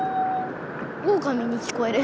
オオカミに聞こえる。